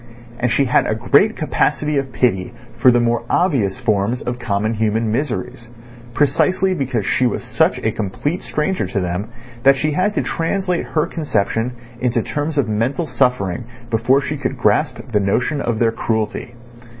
And she had a great capacity of pity for the more obvious forms of common human miseries, precisely because she was such a complete stranger to them that she had to translate her conception into terms of mental suffering before she could grasp the notion of their cruelty.